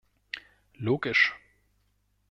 Logisch.